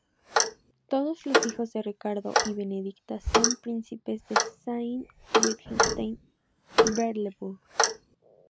Todos los hijos de Ricardo y Benedicta son príncipes de Sayn-Wittgenstein-Berleburg.